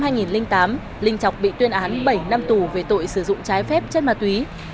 năm hai nghìn tám linh chọc bị tuyên án bảy năm tù về tội sử dụng trái phép chất ma túy